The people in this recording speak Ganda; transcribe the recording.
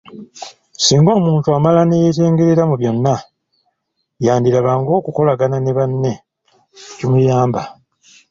Singa omuntu amala ne yeetengerera mu byonna, yandiraba ng'okukolagana ne banne tekimuyamba.